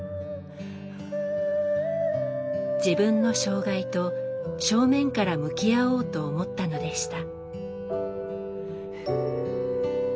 自分の障害と正面から向き合おうと思ったのでした。